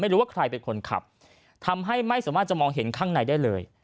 รู้ว่าใครเป็นคนขับทำให้ไม่สามารถจะมองเห็นข้างในได้เลย